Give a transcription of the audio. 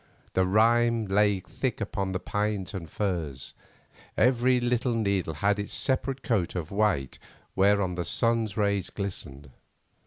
The rime lay thick upon the pines and firs—every little needle had its separate coat of white whereon the sun's rays glistened.